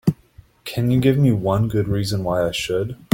Can you give me one good reason why I should?